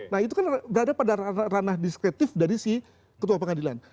nah itu kan berada pada ranah diskretif dari si ketua pengadilan